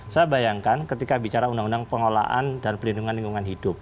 saya bayangkan ketika bicara undang undang pengolahan dan perlindungan lingkungan hidup